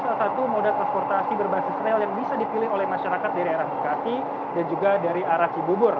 satu mode transportasi berbasis rail yang bisa dipilih oleh masyarakat dari arah berkati dan juga dari arah cibudur